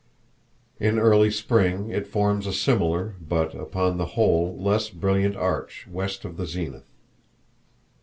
In early spring it forms a similar but, upon the whole, less brilliant arch west of the zenith.